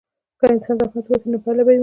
که انسان زحمت وباسي، نو پایله به وویني.